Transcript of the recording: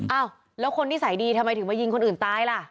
เอ้าแล้วคนที่ใส่ดีที่ทำไมถึงว่ายิงคนอื่นตายล่ะ